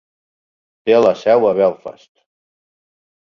Té la seu a Belfast.